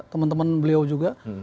teman teman beliau juga